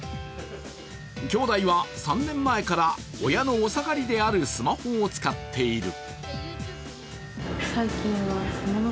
兄弟は３年前から親のお下がりであるスマホを使っている。